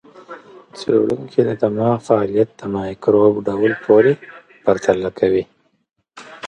څېړونکي د دماغ فعالیت د مایکروب ډول پورې پرتله کوي.